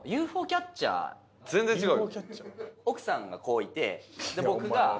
ＵＦＯキャッチャー？奥さんがこういて僕が。